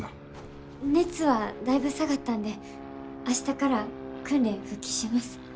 熱はだいぶ下がったんで明日から訓練復帰します。